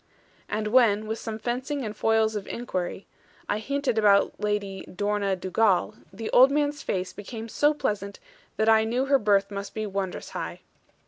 And when, with some fencing and foils of inquiry, I hinted about Lady Lorna Dugal, the old man's face became so pleasant that I knew her birth must be wondrous high.